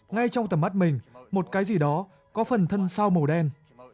ngay trong tầm mắt mình một cái gì đó có phần thân sao màu đen